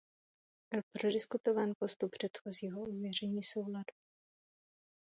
Byl prodiskutován postup předchozího ověření souladu.